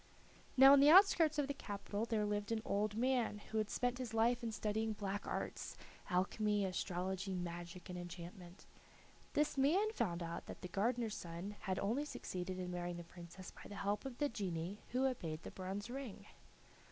Now in the outskirts of the capital there lived an old man, who had spent his life in studying black arts alchemy, astrology, magic, and enchantment. This man found out that the gardener's son had only succeeded in marrying the Princess by the help of the genii who obeyed the bronze ring.